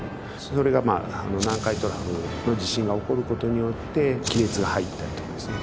それが南海トラフの地震が起こる事によって亀裂が入ったりとかですね。